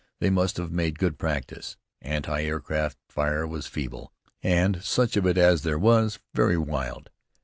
They must have made good practice. Anti aircraft fire was feeble, and, such of it as there was, very wild.